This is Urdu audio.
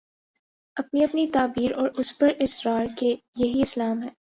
اپنی اپنی تعبیر اور اس پر اصرار کہ یہی اسلام ہے۔